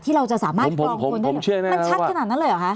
เราจะสามารถกรองคนได้มันชัดขนาดนั้นเลยเหรอคะ